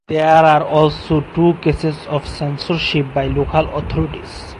There are also two cases of censorship by local authorities.